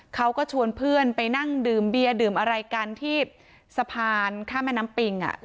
เขาก็ชวนเพื่อนไปนั่งดื่มเบียร์ดื่มอะไรกันที่สะพานข้ามแม่น้ำปิง